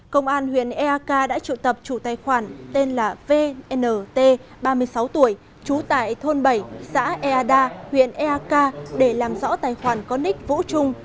công an huyện eak đã triệu tập chủ tài khoản tên là vnt ba mươi sáu tuổi trú tại thôn bảy xã eada huyện eak để làm rõ tài khoản có ních vũ trung